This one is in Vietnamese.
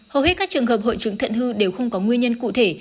hầu hết các trường hợp hội chứng thận hư đều không có nguyên nhân cụ thể